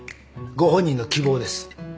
ご本人の希望です。